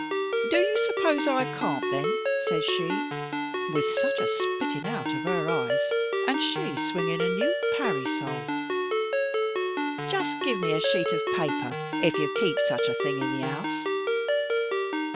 'Do you suppose I can't then?' says she, with such a spitting out of her eyes, and she swinging a new parry sole. 'Just give me a sheet of papper, if you keep such a thing in the house.